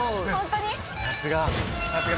さすが。